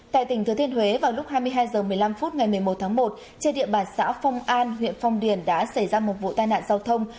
tại tỉnh thừa thiên huế vào lúc hai mươi hai h một mươi năm phút ngày một mươi một tháng một trên địa bàn xã phong an huyện phong điền đã xảy ra một vụ tai nạn giao thông